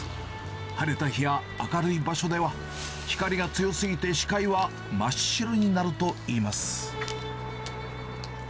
晴れた日や明るい場所では、光が強すぎて、視界は真っ白になるといいます。